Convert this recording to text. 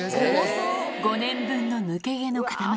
５年分の抜け毛の塊。